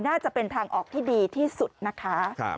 น่าจะเป็นทางออกที่ดีที่สุดนะคะ